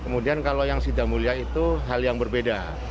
kemudian kalau yang sidang mulia itu hal yang berbeda